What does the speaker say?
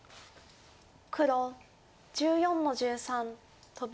黒１４の十三トビ。